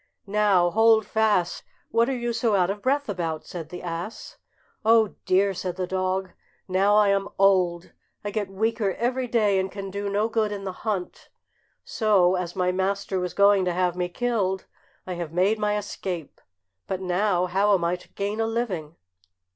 "Now, Holdfast, what are you so out of breath about?" said the ass. "Oh dear!" said the dog, "now I am old, I get weaker every day, and can do no good in the hunt, so, as my master was going to have me killed, I have made my escape; but now, how am I to gain a living?"